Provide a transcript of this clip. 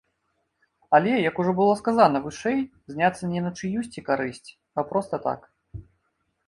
Але, як ужо было сказана вышэй, зняцца не на чыюсьці карысць, а проста так.